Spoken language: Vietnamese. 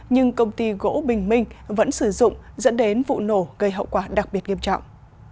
nhưng công ty gỗ bình minh vẫn sử dụng dẫn đến vụ nổ gây hậu quả đặc biệt nghiêm trọng